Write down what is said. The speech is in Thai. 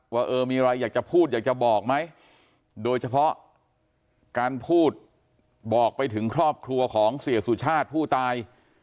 ว่าเออมีอะไรอยากจะพูดอยากจะบอกไหมโดยเฉพาะการพูดบอกไปถึงครอบครัวของเสียสุชาติผู้ตาย